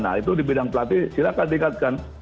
nah itu di bidang pelatih silakan tingkatkan